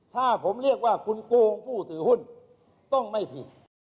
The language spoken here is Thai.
ถ้าผมเรียกว่าคุณโกงผู้ถือหุ้นต้องไม่ผิด